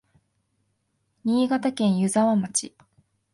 新潟県湯沢町